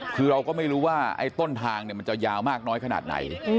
คือเราก็ไม่รู้ว่าไอ้ต้นทางมันจะยาวมากน้อยขนาดไหน